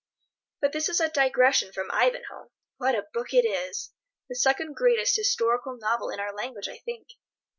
But this is a digression from "Ivanhoe." What a book it is! The second greatest historical novel in our language, I think.